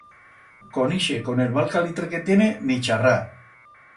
Con ixe, con el mal calitre que tiene, ni charrar.